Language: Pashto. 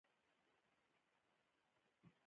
کوږ زړه د خلکو دښمن وي